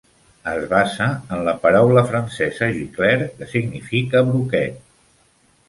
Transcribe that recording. Es basa en la paraula francesa "gicleur", que significa "broquet".